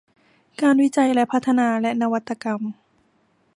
การวิจัยและพัฒนาและนวัตกรรม